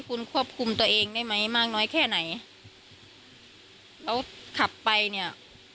คุณควบคุมตัวเองได้ไหมมากน้อยแค่ไหนแล้วขับไปเนี่ย